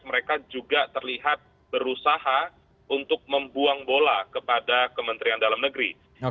mereka juga terlihat berusaha untuk membuang bola kepada kementerian dalam negeri